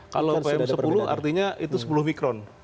kalau pm sepuluh artinya itu sepuluh mikron